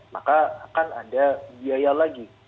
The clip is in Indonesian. maka akan ada biaya lagi